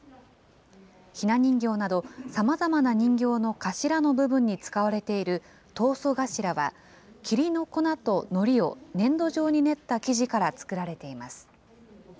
ひな人形など、さまざまな人形の頭の部分に使われている桐塑頭は、桐の粉とのりを粘土状に練った生地から作られています。